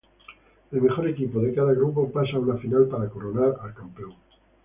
El mejor equipo de cada grupo pasa a una final para coronar al campeón.